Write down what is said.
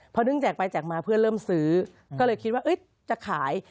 พอนึกแจกไปแจกมาเพื่อนเริ่มซื้อก็เลยคิดว่าจะขาย